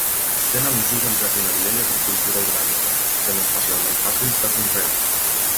Tenen usos en jardineria i agricultura orgànica, sent especialment fàcils de conrear.